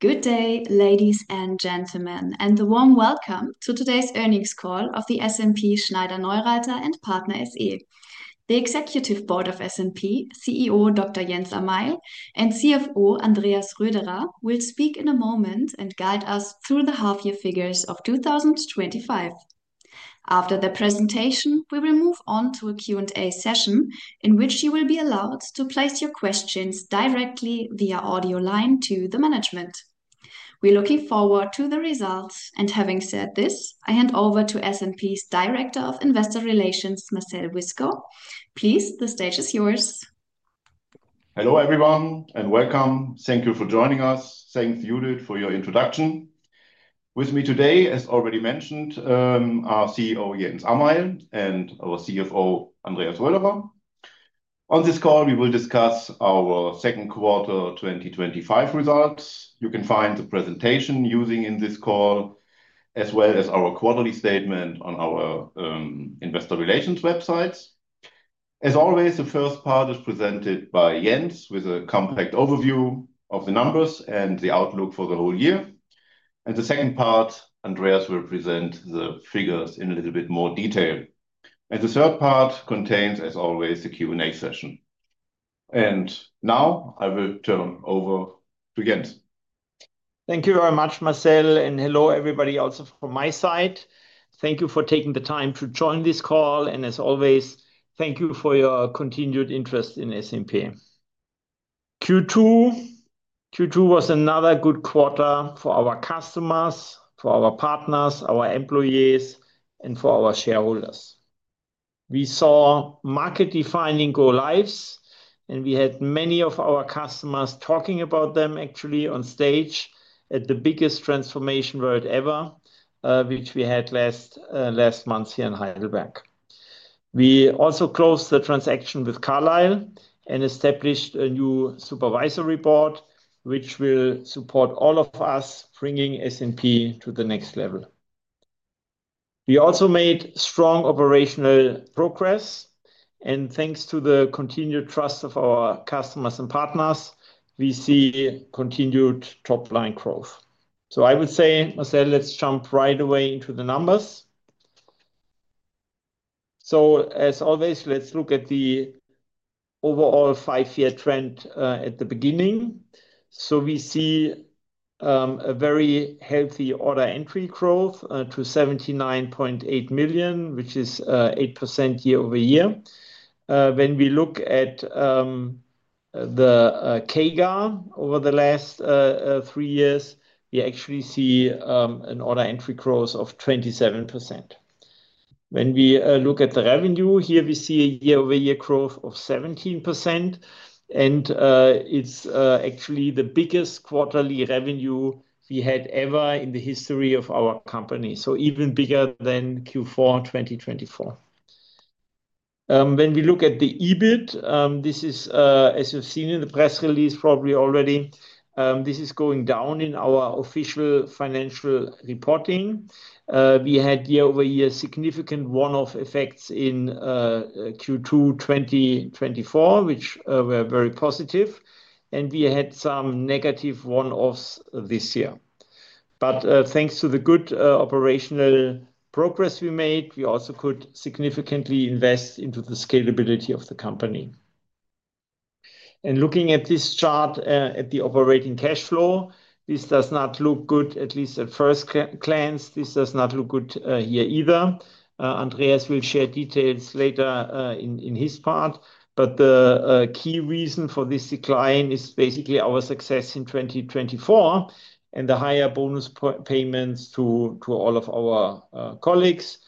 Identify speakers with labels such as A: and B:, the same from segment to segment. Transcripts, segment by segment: A: Good day, ladies and gentlemen, and a warm welcome to today's earnings call of SNP Schneider-Neureither & Partner SE. The Executive Board of SNP, CEO Dr. Jens Amail and CFO Andreas Röderer, will speak in a moment and guide us through the half-year figures of 2025. After the presentation, we will move on to a Q&A session in which you will be allowed to place your questions directly via audio line to the management. We are looking forward to the results. Having said this, I hand over to SNP's Director of Investor Relations, Marcel Wiskow. Please, the stage is yours.
B: Hello, everyone, and welcome. Thank you for joining us. Thanks, Judith, for your introduction. With me today, as already mentioned, are CEO Dr. Jens Amail and our CFO Andreas Röderer. On this call, we will discuss our second quarter 2025 results. You can find the presentation used in this call, as well as our quarterly statement, on our investor relations website. As always, the first part is presented by Jens with a compact overview of the numbers and the outlook for the whole year. In the second part, Andreas will present the figures in a little bit more detail. The third part contains, as always, the Q&A session. Now, I will turn over to Jens.
C: Thank you very much, Marcel, and hello everybody also from my side. Thank you for taking the time to join this call. As always, thank you for your continued interest in SNP. Q2 was another good quarter for our customers, for our partners, our employees, and for our shareholders. We saw market-defining go-lives, and we had many of our customers talking about them, actually, on stage at the biggest transformation world ever, which we had last month here in Heidelberg. We also closed the transaction with Carlyle and established a new Supervisory Board, which will support all of us, bringing SNP to the next level. We also made strong operational progress, and thanks to the continued trust of our customers and partners, we see continued top-line growth. I would say, Marcel, let's jump right away into the numbers. As always, let's look at the overall five-year trend at the beginning. We see a very healthy order entry growth to 79.8 million, which is 8% year-over-year. When we look at the CAGR over the last three years, we actually see an order entry growth of 27%. When we look at the revenue here, we see a year-over-year growth of 17%, and it's actually the biggest quarterly revenue we had ever in the history of our company, so even bigger than Q4 2024. When we look at the EBIT, this is, as you've seen in the press release probably already, going down in our official financial reporting. We had year-over-year significant one-off effects in Q2 2024, which were very positive, and we had some negative one-offs this year. Thanks to the good operational progress we made, we also could significantly invest into the scalability of the company. Looking at this chart at the operating cash flow, this does not look good, at least at first glance. This does not look good here either. Andreas will share details later in his part. The key reason for this decline is basically our success in 2024 and the higher bonus payments to all of our colleagues,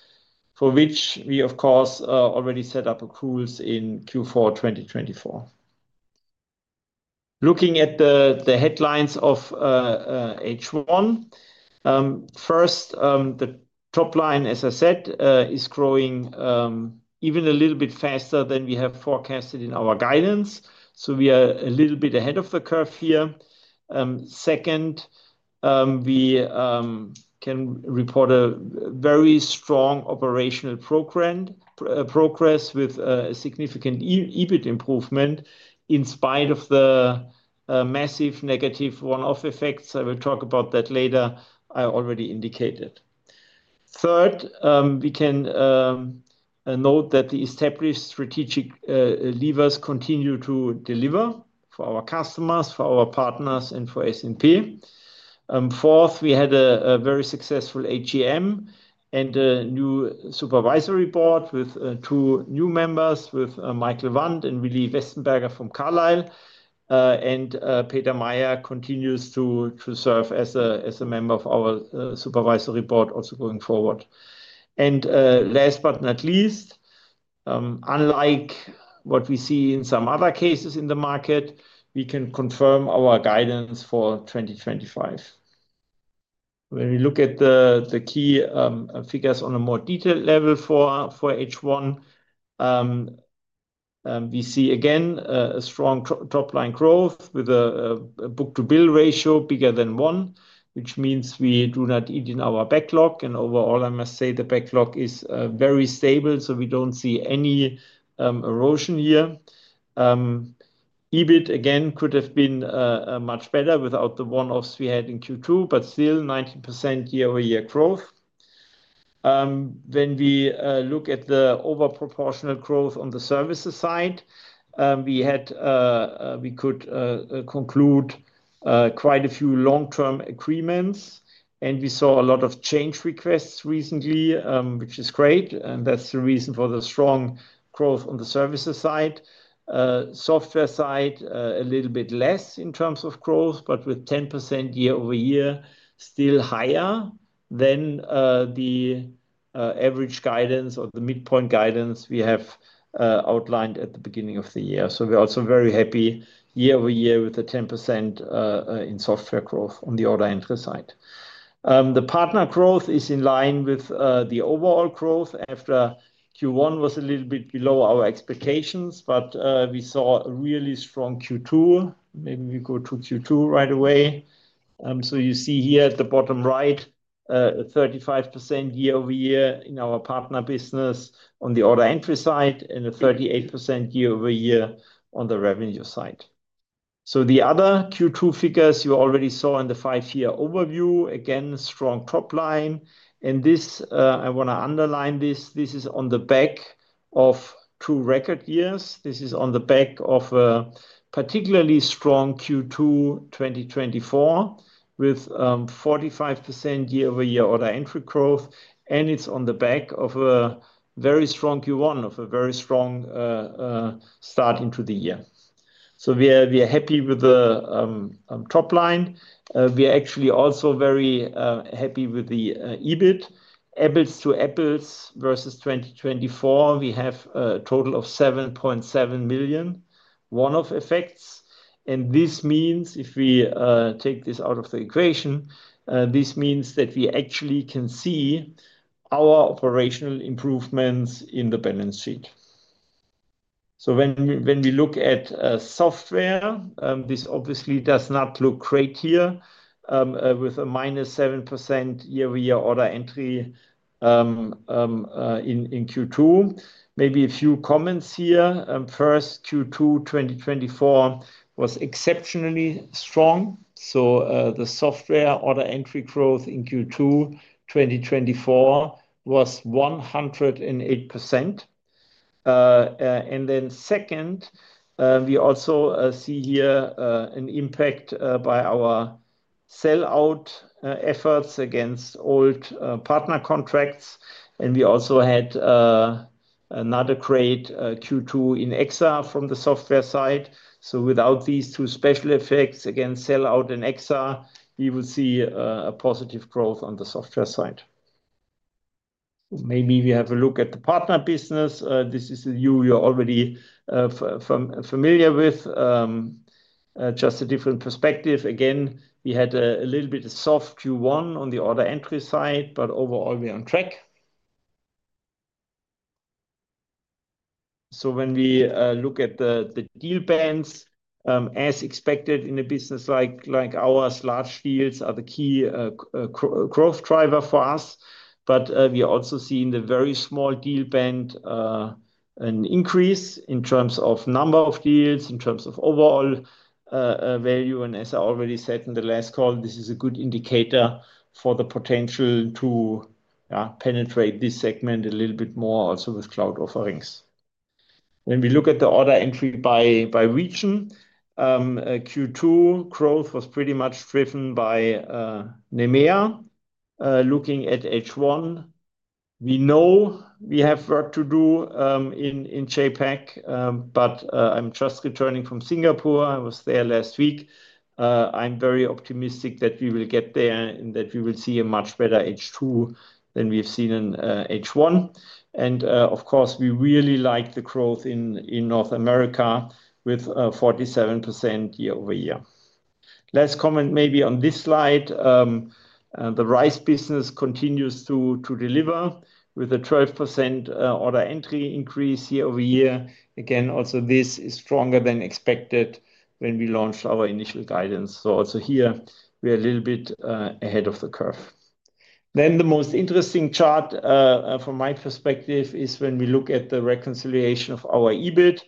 C: for which we, of course, already set up accruals in Q4 2024. Looking at the headlines of H1, first, the top line, as I said, is growing even a little bit faster than we have forecasted in our guidance. We are a little bit ahead of the curve here. Second, we can report a very strong operational progress with a significant EBIT improvement in spite of the massive negative one-off effects. I will talk about that later. I already indicated. Third, we can note that the established strategic levers continue to deliver for our customers, for our partners, and for SNP. Fourth, we had a very successful AGM and a new Supervisory Board with two new members, with Michael Wand and Willi Westenberger from Carlyle. Peter Meyer continues to serve as a member of our Supervisory Board also going forward. Last but not least, unlike what we see in some other cases in the market, we can confirm our guidance for 2025. When we look at the key figures on a more detailed level for H1, we see, again, a strong top-line growth with a book-to-bill ratio bigger than one, which means we do not eat in our backlog. Overall, I must say the backlog is very stable, so we do not see any erosion here. EBIT, again, could have been much better without the one-off effects we had in Q2, but still 19% year-over-year growth. When we look at the overproportional growth on the services side, we could conclude quite a few long-term agreements. We saw a lot of change requests recently, which is great. That is the reason for the strong growth on the services side. Software side, a little bit less in terms of growth, but with 10% year-over-year, still higher than the average guidance or the midpoint guidance we have outlined at the beginning of the year. We are also very happy year-over-year with the 10% in software growth on the order entry side. The partner growth is in line with the overall growth. After Q1 was a little bit below our expectations, we saw a really strong Q2. Maybe we go to Q2 right away. You see here at the bottom right, a 35% year-over-year in our partner business on the order entry side and a 38% year-over-year on the revenue side. The other Q2 figures you already saw in the five-year overview, again, strong top line. I want to underline this, this is on the back of two record years. This is on the back of a particularly strong Q2 2024 with 45% year-over-year order entry growth. It is on the back of a very strong Q1, of a very strong start into the year. We are happy with the top line. We are actually also very happy with the EBIT. Apples to apples versus 2024, we have a total of 7.7 million one-off effects. If we take this out of the equation, this means that we actually can see our operational improvements in the balance sheet. When we look at software, this obviously does not look great here with a minus 7% year-over-year order entry in Q2. Maybe a few comments here. First, Q2 2024 was exceptionally strong. The software order entry growth in Q2 2024 was 108%. Second, we also see here an impact by our sell-out efforts against old partner contracts. We also had another great Q2 in EXA from the software side. Without these two special effects, again, sell-out in EXA AG, you will see a positive growth on the software side. Maybe we have a look at the partner business. This is the view you're already familiar with, just a different perspective. We had a little bit of a soft Q1 on the order entry side, but overall, we are on track. When we look at the deal bands, as expected in a business like ours, large deals are the key growth driver for us. We are also seeing the very small deal band increase in terms of number of deals and in terms of overall value. As I already said in the last call, this is a good indicator for the potential to penetrate this segment a little bit more also with cloud offerings. When we look at the order entry by region, Q2 growth was pretty much driven by NEMEA. Looking at H1, we know we have work to do in the APAC region, but I'm just returning from Singapore. I was there last week. I'm very optimistic that we will get there and that we will see a much better H2 than we've seen in H1. Of course, we really like the growth in North America with 47% year-over-year. Last comment maybe on this slide, the Raízen business continues to deliver with a 12% order entry increase year-over-year. This is stronger than expected when we launched our initial guidance. Here, we are a little bit ahead of the curve. The most interesting chart from my perspective is when we look at the reconciliation of our EBIT,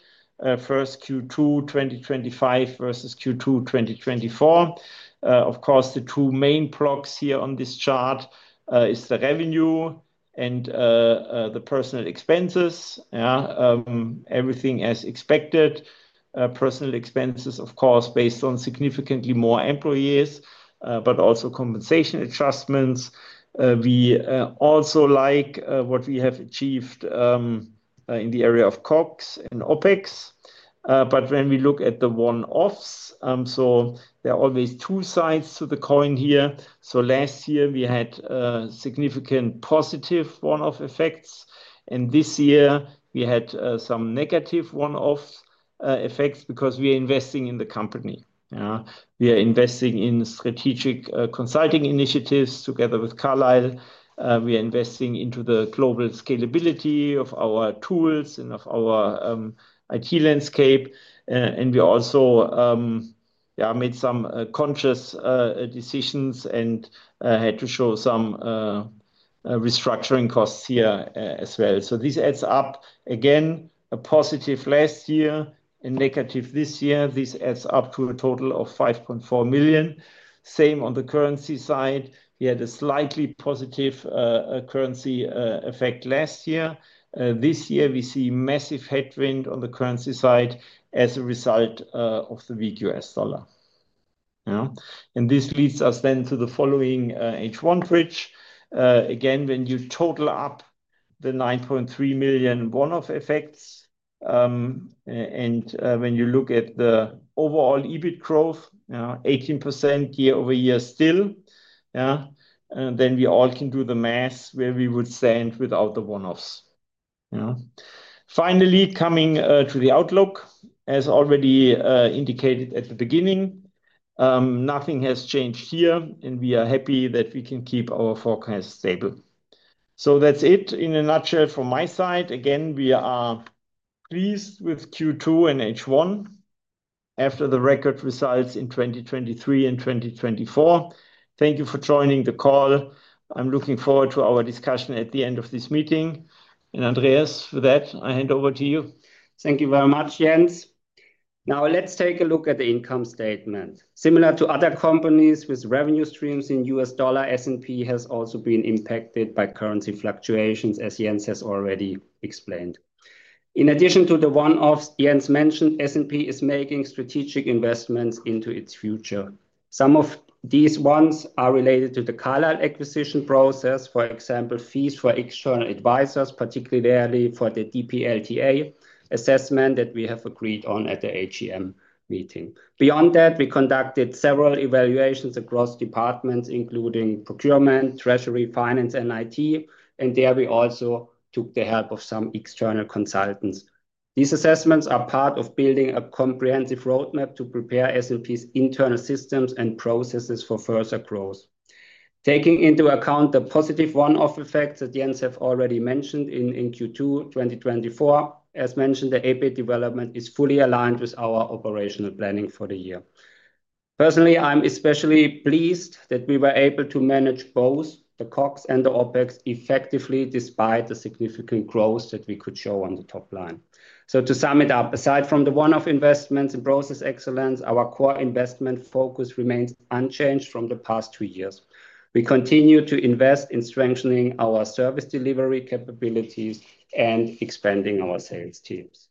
C: first Q2 2025 versus Q2 2024. Of course, the two main blocks here on this chart are the revenue and the personnel expenses. Everything as expected. Personnel expenses, of course, based on significantly more employees, but also compensation adjustments. We also like what we have achieved in the area of COGS and OpEx. When we look at the one-offs, there are always two sides to the coin here. Last year, we had significant positive one-off effects. This year, we had some negative one-off effects because we are investing in the company. We are investing in strategic consulting initiatives together with Carlyle. We are investing into the global scalability of our tools and of our IT infrastructure. We also made some conscious decisions and had to show some restructuring costs here as well. This adds up, again, a positive last year and negative this year. This adds up to a total of 5.4 million. Same on the currency side. We had a slightly positive currency effect last year. This year, we see massive headwind on the currency side as a result of the U.S. dollar. This leads us then to the following H1 bridge. When you total up the 9.3 million one-off effects, and when you look at the overall EBIT growth, 18% year-over-year still, we all can do the math where we would stand without the one-offs. Finally, coming to the outlook, as already indicated at the beginning, nothing has changed here, and we are happy that we can keep our forecast stable. That is it in a nutshell from my side. We are pleased with Q2 and H1 after the record results in 2023 and 2024. Thank you for joining the call. I'm looking forward to our discussion at the end of this meeting. Andreas, with that, I hand over to you.
D: Thank you very much, Jens. Now, let's take a look at the income statement. Similar to other companies with revenue streams in U.S. dollar, SNP has also been impacted by currency fluctuations, as Jens has already explained. In addition to the one-offs Jens mentioned, SNP is making strategic investments into its future. Some of these ones are related to the Carlyle acquisition process, for example, fees for external advisors, particularly for the DPLTA assessment that we have agreed on at the AGM meeting. Beyond that, we conducted several evaluations across departments, including procurement, treasury, finance, and IT, and there we also took the help of some external consultants. These assessments are part of building a comprehensive roadmap to prepare SNP's internal systems and processes for further growth. Taking into account the positive one-off effects that Jens has already mentioned in Q2 2024, as mentioned, the EBIT development is fully aligned with our operational planning for the year. Personally, I'm especially pleased that we were able to manage both the COGS and the OpEx effectively despite the significant growth that we could show on the top line. To sum it up, aside from the one-off investments and process excellence, our core investment focus remains unchanged from the past two years. We continue to invest in strengthening our service delivery capabilities and expanding our sales teams.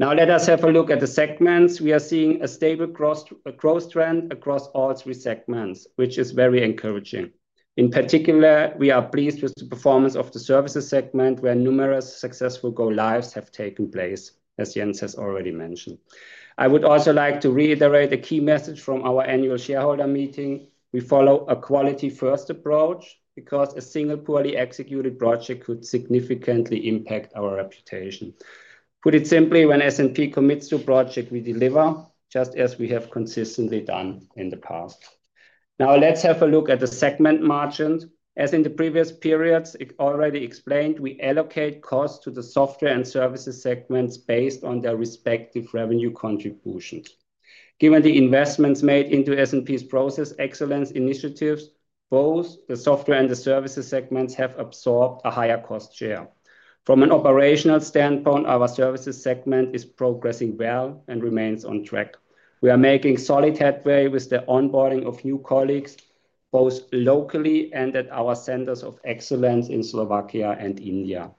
D: Now, let us have a look at the segments. We are seeing a stable growth trend across all three segments, which is very encouraging. In particular, we are pleased with the performance of the services segment, where numerous successful go-lives have taken place, as Jens has already mentioned. I would also like to reiterate a key message from our annual shareholder meeting. We follow a quality-first approach because a single poorly executed project could significantly impact our reputation. Put it simply, when SNP commits to a project, we deliver, just as we have consistently done in the past. Now, let's have a look at the segment margins. As in the previous periods, as already explained, we allocate costs to the software and services segments based on their respective revenue contributions. Given the investments made into SNP's process excellence initiatives, both the software and the services segments have absorbed a higher cost share. From an operational standpoint, our services segment is progressing well and remains on track. We are making solid headway with the onboarding of new colleagues, both locally and at our centers of excellence in Slovakia and India.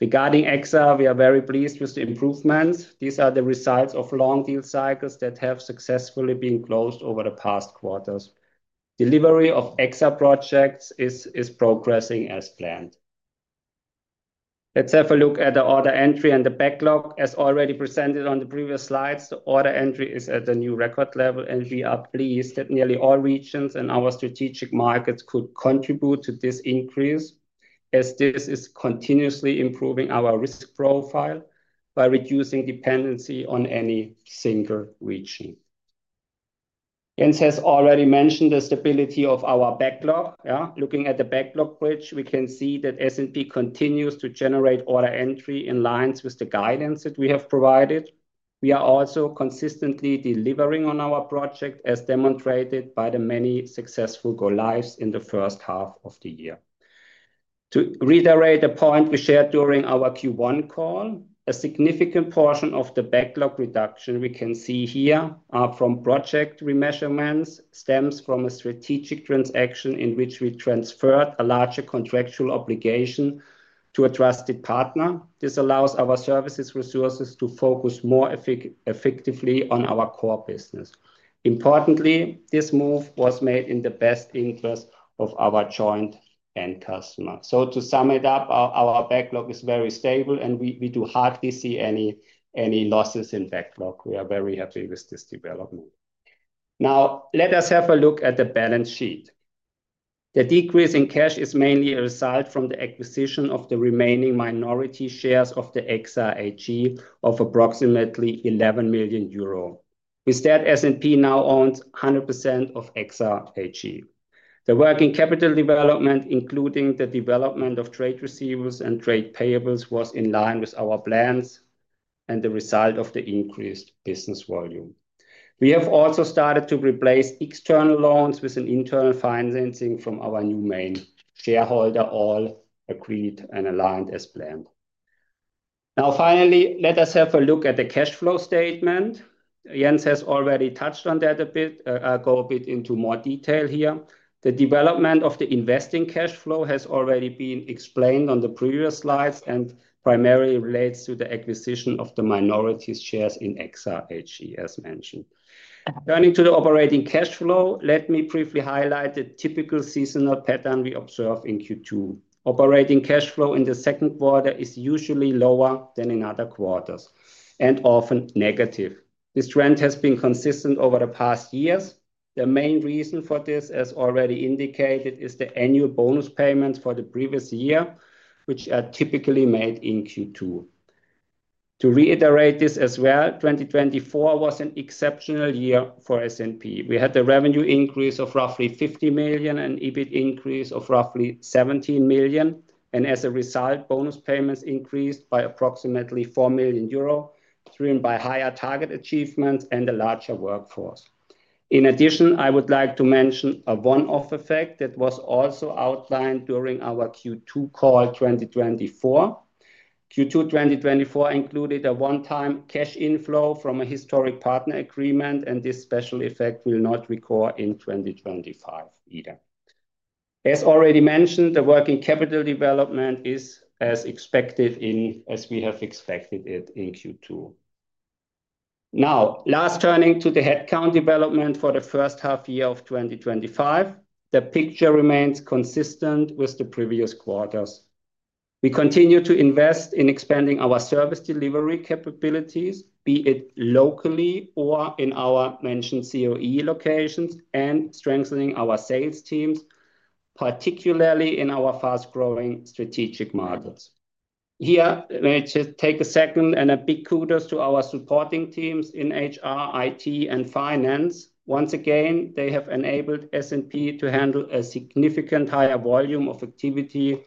D: Regarding EXA, we are very pleased with the improvements. These are the results of long deal cycles that have successfully been closed over the past quarters. Delivery of EXA projects is progressing as planned. Let's have a look at the order entry and the backlog. As already presented on the previous slides, the order entry is at a new record level, and we are pleased that nearly all regions in our strategic markets could contribute to this increase, as this is continuously improving our risk profile by reducing dependency on any single region. Jens has already mentioned the stability of our backlog. Looking at the backlog bridge, we can see that SNP continues to generate order entry in line with the guidance that we have provided. We are also consistently delivering on our project, as demonstrated by the many successful go-lives in the first half of the year. To reiterate the point we shared during our Q1 call, a significant portion of the backlog reduction we can see here from project remeasurements stems from a strategic transaction in which we transferred a larger contractual obligation to a trusted partner. This allows our services resources to focus more effectively on our core business. Importantly, this move was made in the best interest of our joint end customer. To sum it up, our backlog is very stable, and we do hardly see any losses in backlog. We are very happy with this development. Now, let us have a look at the balance sheet. The decrease in cash is mainly a result from the acquisition of the remaining minority shares of EXA AG of approximately 11 million euro. Instead, SNP now owns 100% of EXA AG. The working capital development, including the development of trade receivables and trade payables, was in line with our plans and the result of the increased business volume. We have also started to replace external loans with internal financing from our new main shareholder, all agreed and aligned as planned. Now, finally, let us have a look at the cash flow statement. Jens has already touched on that a bit. I'll go a bit into more detail here. The development of the investing cash flow has already been explained on the previous slides and primarily relates to the acquisition of the minority shares in EXA AG, as mentioned. Turning to the operating cash flow, let me briefly highlight the typical seasonal pattern we observe in Q2. Operating cash flow in the second quarter is usually lower than in other quarters and often negative. This trend has been consistent over the past years. The main reason for this, as already indicated, is the annual bonus payments for the previous year, which are typically made in Q2. To reiterate this as well, 2024 was an exceptional year for SNP. We had the revenue increase of roughly 50 million and EBIT increase of roughly 17 million. As a result, bonus payments increased by approximately 4 million euro, driven by higher target achievements and a larger workforce. In addition, I would like to mention a one-off effect that was also outlined during our Q2 call 2024. Q2 2024 included a one-time cash inflow from a historic partner agreement, and this special effect will not recur in 2025 either. As already mentioned, the working capital development is as expected, as we have expected it in Q2. Now, last, turning to the headcount development for the first half year of 2025, the picture remains consistent with the previous quarters. We continue to invest in expanding our service delivery capabilities, be it locally or in our mentioned COE locations, and strengthening our sales teams, particularly in our fast-growing strategic markets. Here, let's just take a second and a big kudos to our supporting teams in HR, IT, and finance. Once again, they have enabled SNP to handle a significantly higher volume of activity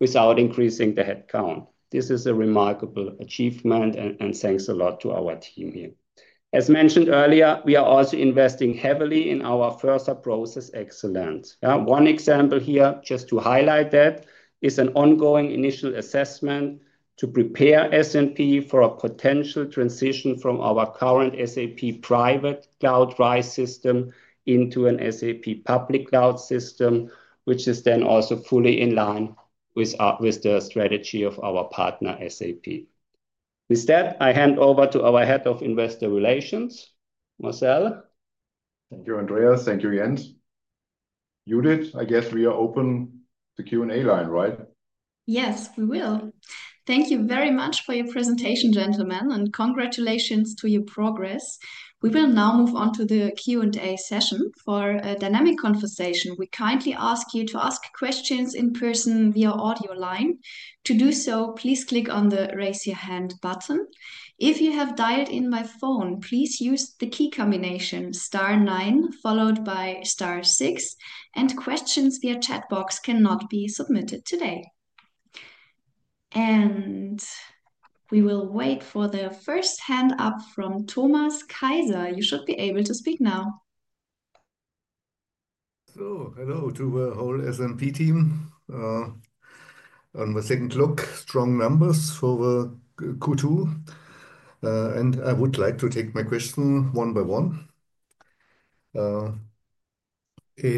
D: without increasing the headcount. This is a remarkable achievement, and thanks a lot to our team here. As mentioned earlier, we are also investing heavily in our further process excellence. One example here, just to highlight that, is an ongoing initial assessment to prepare SNP for a potential transition from our current SAP private cloud drive system into an SAP public cloud system, which is then also fully in line with the strategy of our partner SAP. With that, I hand over to our Head of Investor Relations, Marcel.
B: Thank you, Andreas. Thank you, Jens. Judith, I guess we are open to Q&A line, right?
A: Yes, we will. Thank you very much for your presentation, gentlemen, and congratulations to your progress. We will now move on to the Q&A session. For a dynamic conversation, we kindly ask you to ask questions in person via audio line. To do so, please click on the raise your hand button. If you have dialed in by phone, please use the key combination star nine followed by star six. Questions via chat box cannot be submitted today. We will wait for the first hand up from Thomas Kaiser. You should be able to speak now.
E: Hello, hello to the whole SNP team. On my second look, strong numbers for Q2. I would like to take my questions one by one. In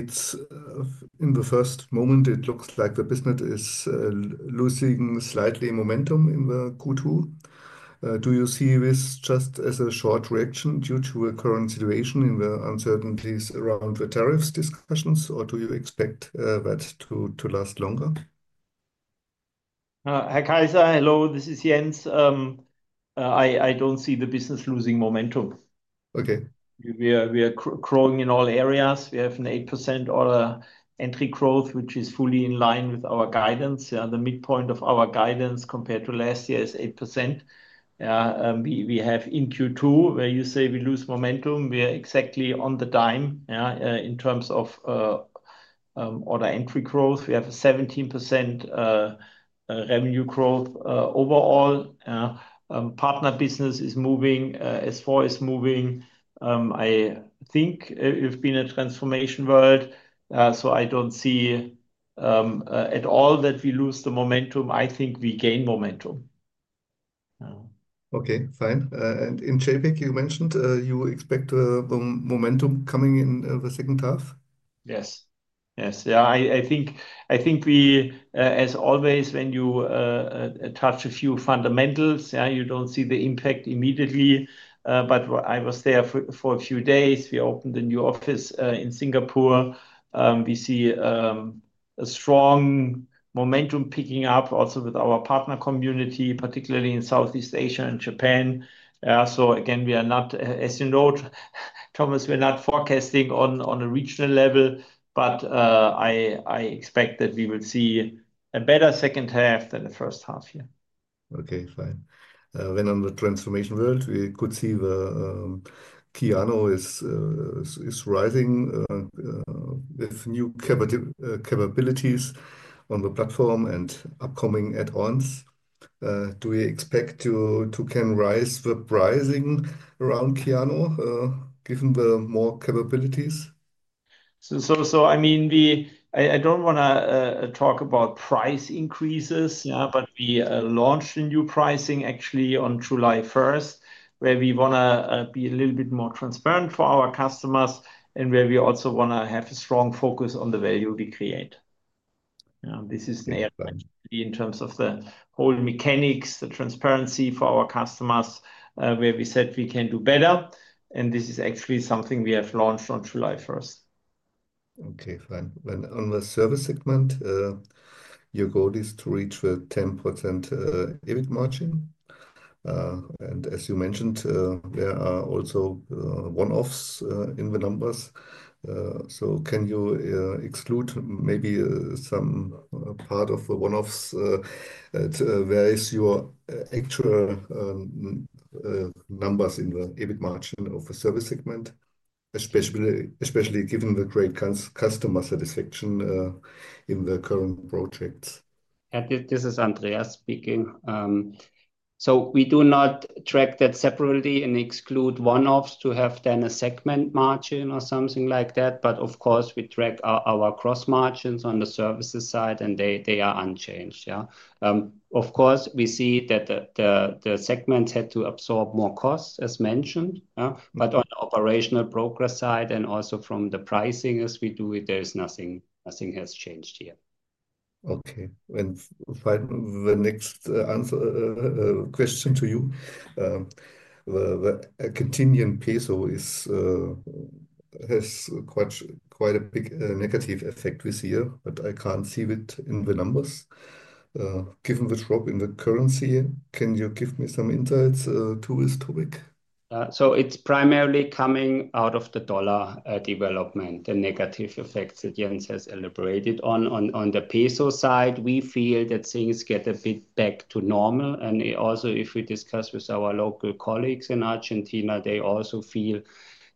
E: the first moment, it looks like the business is losing slightly momentum in Q2. Do you see this just as a short reaction due to the current situation and the uncertainties around the tariffs discussions, or do you expect that to last longer?
C: Hi, Kaiser. Hello. This is Jens. I don't see the business losing momentum.
E: Okay.
C: We are growing in all areas. We have an 8% order entry growth, which is fully in line with our guidance. The midpoint of our guidance compared to last year is 8%. We have in Q2, where you say we lose momentum, we are exactly on the dime in terms of order entry growth. We have a 17% revenue growth overall. Partner business is moving as far as moving. I think we've been a transformation world, so I don't see at all that we lose the momentum. I think we gain momentum.
E: Okay. Fine. In APAC, you mentioned you expect momentum coming in the second half?
C: I think we, as always, when you touch a few fundamentals, you don't see the impact immediately. I was there for a few days. We opened a new office in Singapore. We see a strong momentum picking up also with our partner community, particularly in Southeast Asia and Japan. As you know, Thomas, we're not forecasting on a regional level, but I expect that we will see a better second half than the first half here.
E: Okay. Fine. On the transformation world, we could see the Kyano platform is rising with new capabilities on the platform and upcoming add-ons. Do we expect to can rise with pricing around Kyano given the more capabilities?
C: I don't want to talk about price increases, but we launched a new pricing actually on July 1, where we want to be a little bit more transparent for our customers and where we also want to have a strong focus on the value we create. This is the add-on in terms of the whole mechanics, the transparency for our customers, where we said we can do better. This is actually something we have launched on July 1.
E: Okay. Fine. On the services segment, your goal is to reach a 10% EBIT margin. As you mentioned, there are also one-off effects in the numbers. Can you exclude maybe some part of the one-off effects? Where is your actual number in the EBIT margin of the services segment, especially given the great customer satisfaction in the current projects?
D: This is Andreas speaking. We do not track that separately and exclude one-offs to have then a segment margin or something like that. Of course, we track our cross margins on the services side, and they are unchanged. Of course, we see that the segments had to absorb more costs, as mentioned. On the operational progress side and also from the pricing, as we do it, nothing has changed here.
E: Okay. Finally, the next question to you. The continuing peso has quite a big negative effect this year, but I can't see it in the numbers. Given the drop in the currency, can you give me some insights to this topic?
D: It is primarily coming out of the dollar development, the negative effects that Jens has elaborated on. On the peso side, we feel that things get a bit back to normal. Also, if we discuss with our local colleagues in Argentina, they feel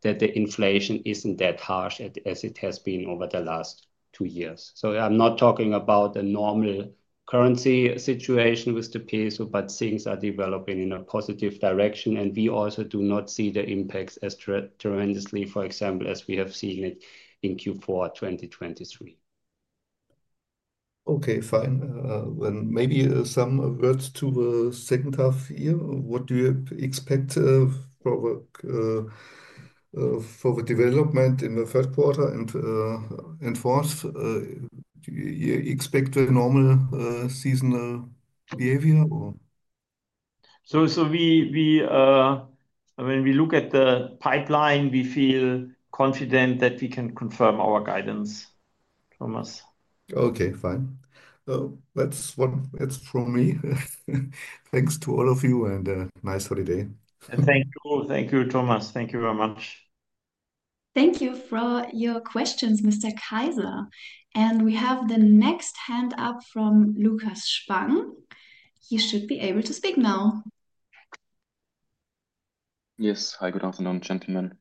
D: that the inflation isn't that harsh as it has been over the last two years. I'm not talking about the normal currency situation with the peso, but things are developing in a positive direction. We also do not see the impacts as tremendously, for example, as we have seen it in Q4 2023.
E: Okay. Fine. Maybe some words to the second half here. What do you expect for the development in the third quarter and fourth? Do you expect a normal seasonal behavior?
D: When we look at the pipeline, we feel confident that we can confirm our guidance, Thomas.
E: Okay. Fine. That's from me. Thanks to all of you, and a nice holiday.
D: Thank you, Thomas. Thank you very much.
A: Thank you for your questions, Mr. Kaiser. We have the next hand up from Lukas Spang. He should be able to speak now.
F: Yes. Hi. Good afternoon, gentlemen.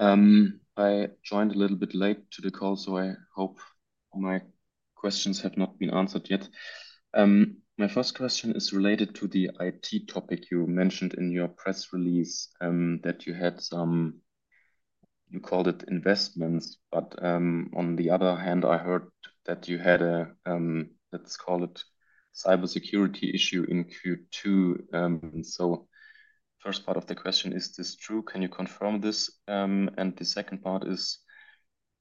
F: I joined a little bit late to the call, so I hope my questions have not been answered yet. My first question is related to the IT topic you mentioned in your press release that you had some, you called it investments. On the other hand, I heard that you had a, let's call it, cybersecurity issue in Q2. The first part of the question is, is this true? Can you confirm this? The second part is,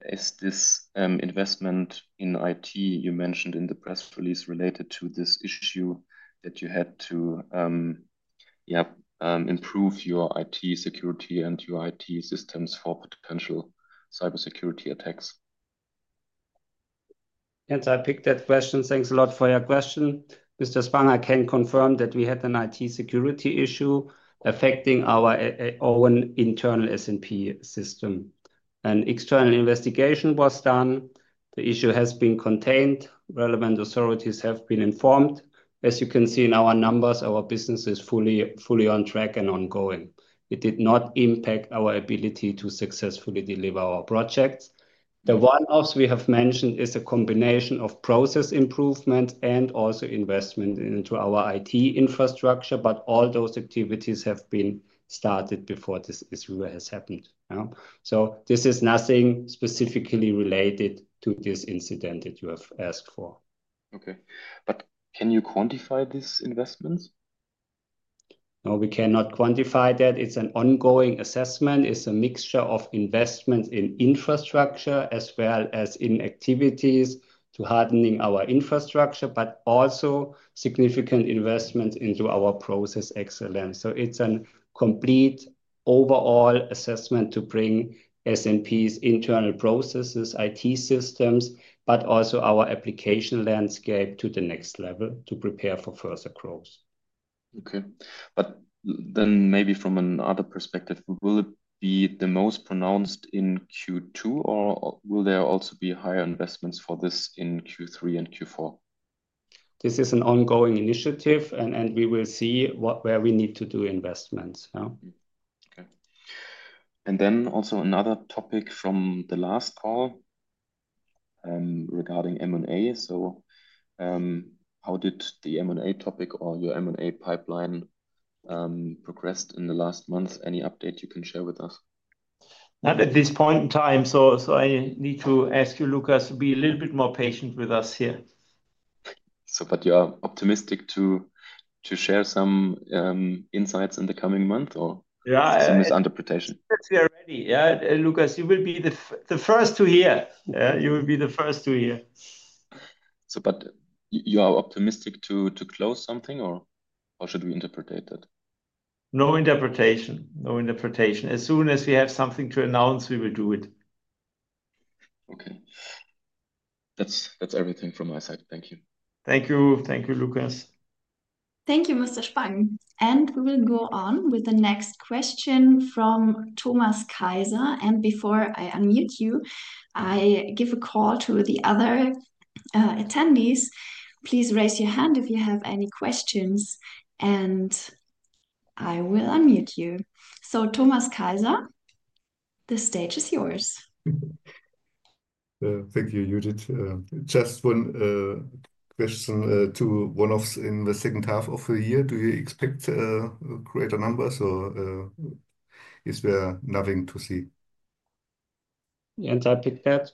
F: is this investment in IT you mentioned in the press release related to this issue that you had to, yeah, improve your IT security and your IT systems for potential cybersecurity attacks?
D: Jens, I picked that question. Thanks a lot for your question. Mr. Spang, I can confirm that we had an IT security issue affecting our own internal SNP system. An external investigation was done. The issue has been contained. Relevant authorities have been informed. As you can see in our numbers, our business is fully on track and ongoing. It did not impact our ability to successfully deliver our projects. The one-offs we have mentioned is a combination of process improvement and also investment into our IT infrastructure, but all those activities have been started before this issue has happened. This is nothing specifically related to this incident that you have asked for.
F: Can you quantify these investments?
D: No, we cannot quantify that. It's an ongoing assessment. It's a mixture of investments in infrastructure as well as in activities to hardening our infrastructure, but also significant investments into our process excellence. It's a complete overall assessment to bring SNP's internal processes, IT systems, but also our application landscape to the next level to prepare for further growth.
F: Okay. From another perspective, will it be the most pronounced in Q2, or will there also be higher investments for this in Q3 and Q4?
D: This is an ongoing initiative, and we will see where we need to do investments.
F: Okay. Also, another topic from the last call regarding M&A. How did the M&A topic or your M&A pipeline progress in the last months? Any update you can share with us?
D: Not at this point in time. I need to ask you, Lukas, to be a little bit more patient with us here.
F: Are you optimistic to share some insights in the coming month or some misinterpretation?
D: As soon as we are ready, Lukas, you will be the first to hear. You will be the first to hear.
F: Are you optimistic to close something, or how should we interpret that?
D: No interpretation. As soon as we have something to announce, we will do it.
F: That's everything from my side. Thank you.
D: Thank you. Thank you, Lukas.
A: Thank you, Mr. Spang. We will go on with the next question from Thomas Kaiser. Before I unmute you, I give a call to the other attendees. Please raise your hand if you have any questions, and I will unmute you. Thomas Kaiser, the stage is yours.
E: Thank you, Judith. Just one question to one-offs in the second half of the year. Do you expect greater numbers, or is there nothing to see?
D: Jens, I picked that.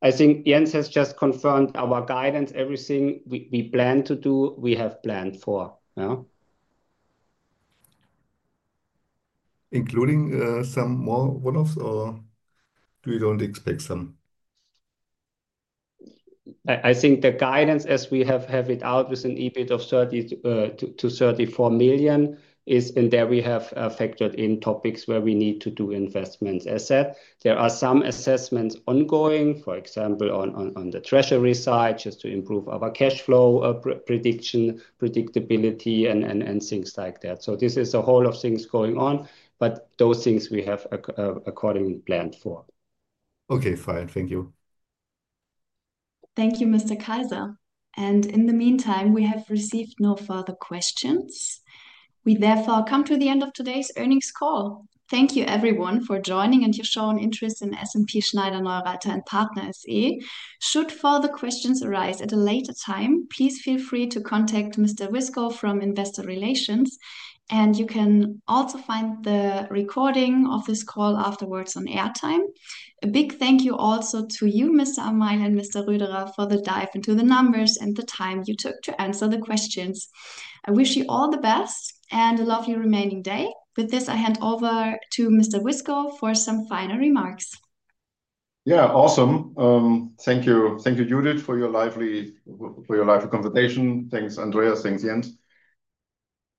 D: I think Jens has just confirmed our guidance. Everything we plan to do, we have planned for.
E: Including some more one-offs, or do you not expect some?
D: I think the guidance, as we have it out with an EBIT of 30 million-34 million, is in there. We have factored in topics where we need to do investments. As said, there are some assessments ongoing, for example, on the treasury side, just to improve our cash flow prediction, predictability, and things like that. This is a whole lot of things going on, but those things we have accordingly planned for.
E: Okay. Fine, thank you.
A: Thank you, Mr. Kaiser. In the meantime, we have received no further questions. We therefore come to the end of today's earnings call. Thank you, everyone, for joining and your shown interest in SNP Schneider-Neureither & Partner SE. Should further questions arise at a later time, please feel free to contact Mr. Wiskow from Investor Relations. You can also find the recording of this call afterwards on airtime. A big thank you also to you, Mr. Amail and Mr. Röderer, for the dive into the numbers and the time you took to answer the questions. I wish you all the best and a lovely remaining day. With this, I hand over to Mr. Wiskow for some final remarks.
B: Yeah. Awesome. Thank you. Thank you, Judith, for your lively conversation. Thanks, Andreas. Thanks, Jens.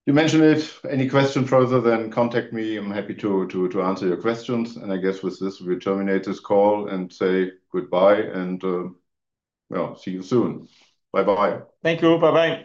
B: You mentioned it. Any question further, then contact me. I'm happy to answer your questions. I guess with this, we will terminate this call and say goodbye. See you soon. Bye-bye.
D: Thank you. Bye-bye.